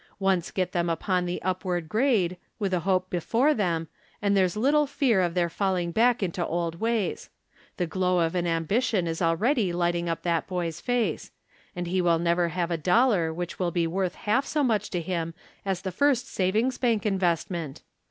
Once get them upon the upward grade, with a hope before them, and there's little fear of their falling back to old ways. The glow of an ambition is already lighting up that boy's face. And he will never have a dollar which will be worth half so much to him as the first savings bank investment.